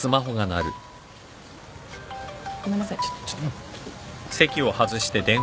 ごめんなさいちょっと。